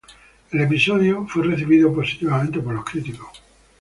El episodio fue recibido positivamente por los críticos.